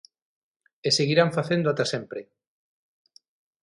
E seguirán facéndoo ata sempre.